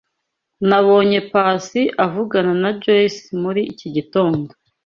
Nabonye Pacy avugana na Joyce muri iki gitondo.